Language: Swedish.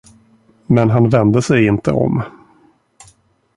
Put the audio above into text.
Men han vände sig inte om.